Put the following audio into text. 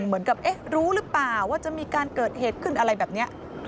เหมือนกับรู้หรือเปล่าว่าจะมีการเกิดเหตุขึ้นอะไรแบบนี้